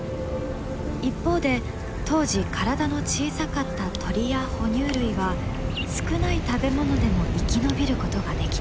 一方で当時体の小さかった鳥や哺乳類は少ない食べ物でも生き延びることができた。